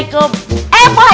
gue minum ya airnya